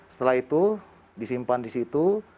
setelah itu disimpan di situ